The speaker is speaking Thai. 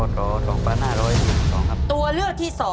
ตัวเลือกที่๒